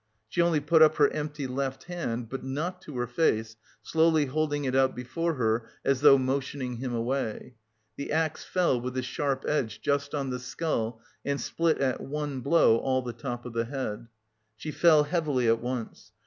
She only put up her empty left hand, but not to her face, slowly holding it out before her as though motioning him away. The axe fell with the sharp edge just on the skull and split at one blow all the top of the head. She fell heavily at once.